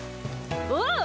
おう。